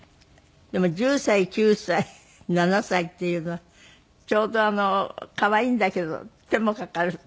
でも１０歳９歳７歳っていうのはちょうど可愛いんだけど手もかかる。